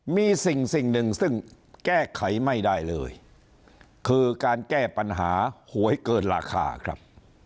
มีสิ่งสิ่งหนึ่งซึ่งแก้ไขไม่ได้เลยคือการแก้ปัญหาหวยเกินราคาครับ